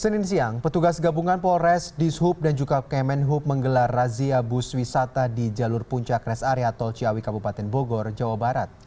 senin siang petugas gabungan polres dishub dan juga kemenhub menggelar razia bus wisata di jalur puncak res area tol ciawi kabupaten bogor jawa barat